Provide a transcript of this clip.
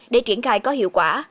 để triển khai có hiệu quả